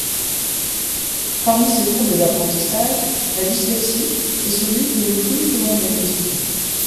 Parmi ces troubles d'apprentissage, la dyslexie est celui qui est le plus souvent diagnostiqué.